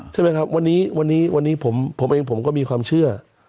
ใช่ไหมครับวันนี้วันนี้ผมเองผมก็มีความเชื่อ